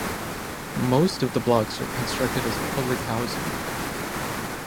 Most of the blocks are constructed as public housing.